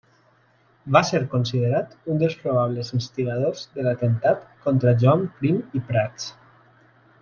Va ser considerat un dels probables instigadors de l'Atemptat contra Joan Prim i Prats.